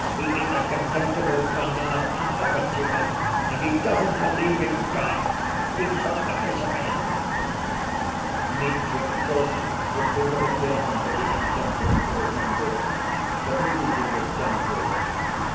He is a contemptible Bernard and opportunist, and he doesn't believe in God; he took the bishop in!" Mitya, of course, was pulled up again for the intemperance of his language, but Rakitin was done for.